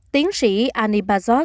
tiến sĩ annie bajor